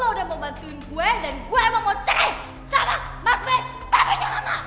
lo udah mau bantuin gue dan gue emang mau cerai sama mas ben papinya reva